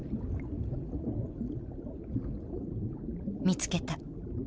見つけた。